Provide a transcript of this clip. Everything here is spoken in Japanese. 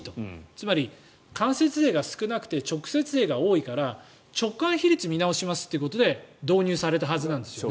つまり、間接税が少なくて直接税が多いから直間比率を見直すということで導入されたはずなんです。